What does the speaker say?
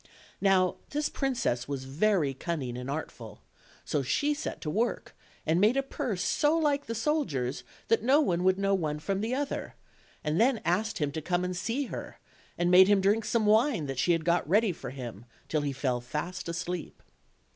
Now this princess was very cunning and artful; so she set to work and made a purse so like the soldier's that no one would know one from the other, and then asked him to come and see her, and made him 60 OLD, OLD FAIRY TALES. drink some wine that she had got ready for him, till he fell fast asleep.